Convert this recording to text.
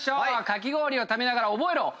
かき氷を食べながら覚えろ。